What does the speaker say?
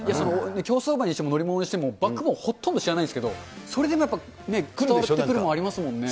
競走馬にしても乗り物にしても、バックボーン、ほとんど知らないんですけど、それでもやっぱりぐっとくるものありますからね。